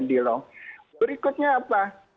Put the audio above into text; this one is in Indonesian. di lock berikutnya apa